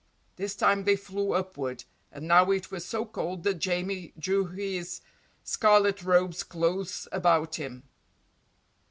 This time they flew upward, and now it was so cold that Jamie drew his scarlet robes close about him.